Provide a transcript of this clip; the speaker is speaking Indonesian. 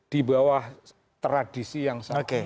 di bawah tradisi yang satu